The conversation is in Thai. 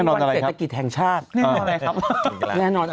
เอาอาจริงปะ